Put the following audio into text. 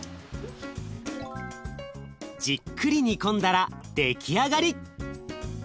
じっくり煮込んだら出来上がり！